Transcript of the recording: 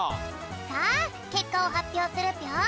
さあけっかをはっぴょうするぴょん！